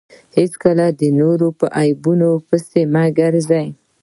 هېڅکله د نورو په عیبو پيسي مه ګرځه!